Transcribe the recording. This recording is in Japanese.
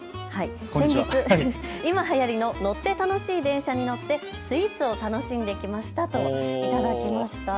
先日、今はやりの乗って楽しい電車に乗ってスイーツを楽しんできましたと頂きました。